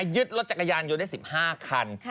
ยึดรถจักรยานยนต์ได้๑๕คัน